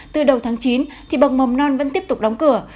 từ đầu tháng chín thì bậc mầm non vẫn tiếp tục đóng cửa